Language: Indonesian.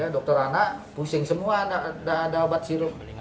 dokter anak pusing semua tidak ada obat sirup